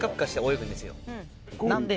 なんで。